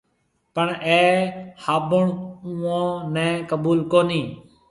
پڻ اَي هابُڻ اُوئون نَي قبُول ڪونهي۔